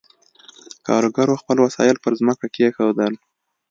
کارګرو خپل وسایل پر ځمکه کېښودل.